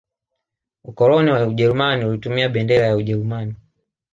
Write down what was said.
ukoloni wa ujerumani ulitumia bendera ya ujeruman